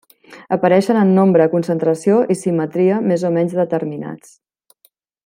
Apareixen en nombre, concentració i simetria més o menys determinats.